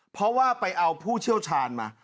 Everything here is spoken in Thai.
เพราะว่าไปเอาผู้เชี่ยวชาญมา